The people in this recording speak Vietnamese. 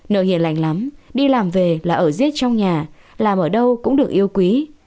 nờ hiền lành lắm đi làm về là ở riết trong nhà làm ở đâu cũng được yêu quý